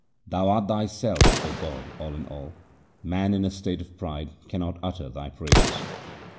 Thou art Thyself, O God, all in all ; man in a state of pride cannot utter Thy praises.